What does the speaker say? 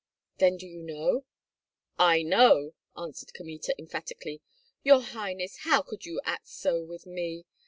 "Then do you know?" "I know!" answered Kmita, emphatically. "Your highness, how could you act so with me?